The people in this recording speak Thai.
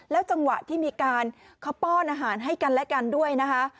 จังหวะที่มีการเขาป้อนอาหารให้กันและกันด้วยนะคะ